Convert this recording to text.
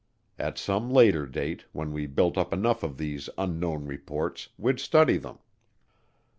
At some later date, when we built up enough of these "Unknown" reports, we'd study them.